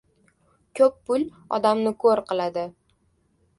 • Ko‘p pul odamni ko‘r qiladi.